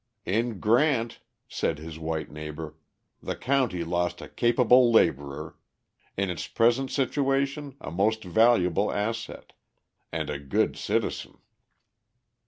"In Grant," said his white neighbour, "the county lost a capable labourer in its present situation, a most valuable asset and a good citizen."